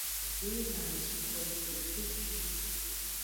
Zemijan lo shiko eju keke juin.